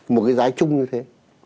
một cái giá chung như thế